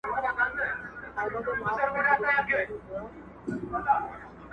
نه پنډت ووهلم، نه راهب فتواء ورکړه خو.